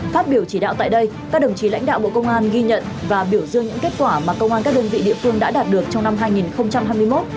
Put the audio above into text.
phát biểu chỉ đạo tại đây các đồng chí lãnh đạo bộ công an ghi nhận và biểu dương những kết quả mà công an các đơn vị địa phương đã đạt được trong năm hai nghìn hai mươi một